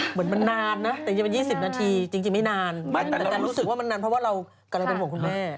เหมือนมันนานนะแต่ยังเป็น๒๐นาทีจริงไม่นานแต่จะรู้สึกว่ามันนานเพราะว่าเรากำลังเป็นห่วงคุณแม่